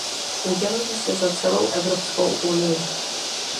Udělují se za celou Evropskou unii.